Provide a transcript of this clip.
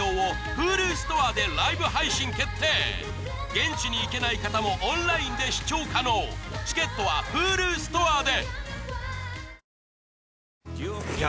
現地に行けない方もオンラインで視聴可能チケットはＨｕｌｕストアで！